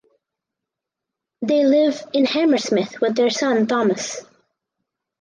They live in Hammersmith with their son Thomas.